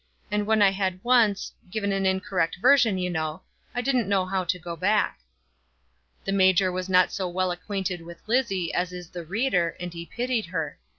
And when I had once given an incorrect version, you know, I didn't know how to go back." The major was not so well acquainted with Lizzie as is the reader, and he pitied her.